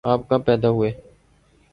آپ کب پیدا ہوئے